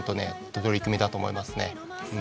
取り組みだと思いますね。